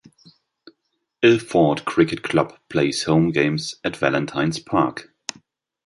Ilford Cricket Club plays home games at Valentines Park.